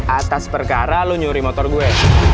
atas perkara lu nyuri motor gue